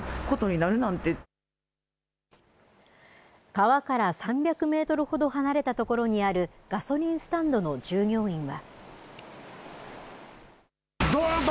川から３００メートルほど離れた所にある、ガソリンスタンドの従業員は。